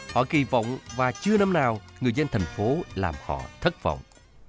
họ kỳ vọng và chưa năm nào người dân thành phố làm họ thất vọng